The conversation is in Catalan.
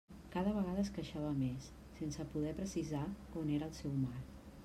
Cada vegada es queixava més, sense poder precisar on era el seu mal.